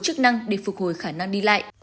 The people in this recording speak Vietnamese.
chức năng để phục hồi khả năng đi lại